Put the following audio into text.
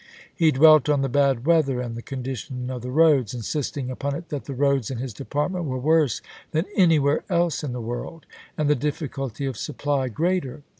He dwelt on the bad weather and the condi tion of the roads, insisting upon it that the roads in his department were worse than anywhere else in the world, and the difficulty of supply greater.